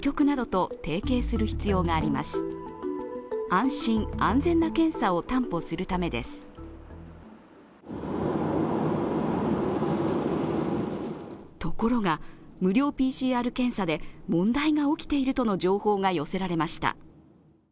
ところが、無料ＰＣＲ検査で問題が起きているとの情報が寄せられました。